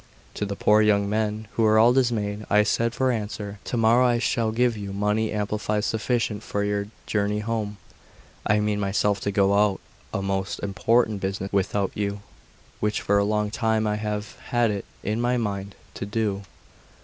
To the poor young men, who were all dismayed, I said for answer: "To morrow I shall give you money amply sufficient for your journey home. I mean myself to go about a most important business without you, which for a long time I have had it in my mind to do."